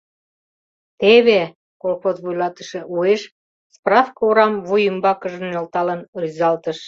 — Теве! — колхоз вуйлатыше уэш справке орам вуй ӱмбакыже нӧлталын рӱзалтыш.